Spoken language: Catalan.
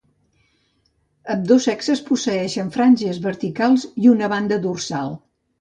Ambdós sexes posseeixen franges verticals i una banda dorsal.